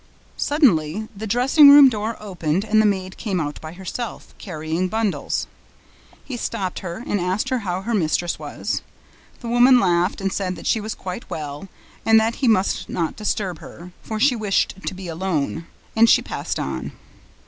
Suddenly the dressing room door opened and the maid came out by herself, carrying bundles. He stopped her and asked how her mistress was. The woman laughed and said that she was quite well, but that he must not disturb her, for she wished to be left alone. And she passed on.